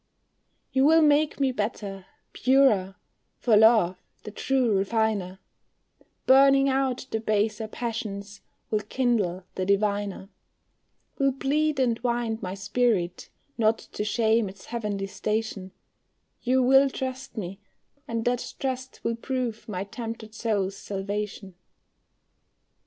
You will make me better, purer, for love, the true refiner, Burning out the baser passions, will kindle the diviner, Will plead and wind my spirit, not to shame its heavenly station, You will trust me, and that trust will prove my tempted soul's salvation.